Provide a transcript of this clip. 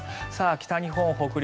北日本、北陸